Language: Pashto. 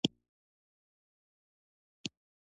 دلبران که هر څو ډېر دي په جهان کې.